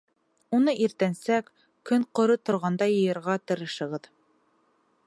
Уны иртәнсәк, көн ҡоро торғанда йыйырға тырышығыҙ.